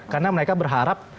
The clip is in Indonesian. karena mereka berharap